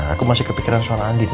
aku masih kepikiran soal andi nih